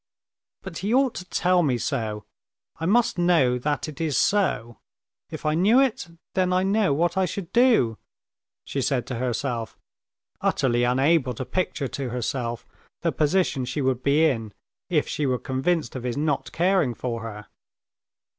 "But he ought to tell me so. I must know that it is so. If I knew it, then I know what I should do," she said to herself, utterly unable to picture to herself the position she would be in if she were convinced of his not caring for her.